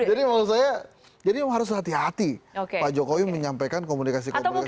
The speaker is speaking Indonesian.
jadi maksud saya harus hati hati pak jokowi menyampaikan komunikasi politiknya dia